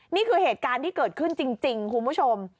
นี่คือเหตุการณ์ที่เกิดขึ้นจริงคุณผู้ชม